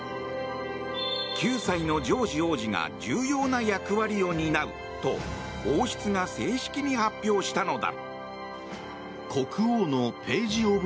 ９歳のジョージ王子が重要な役割を担うと王室が正式に発表したのだ。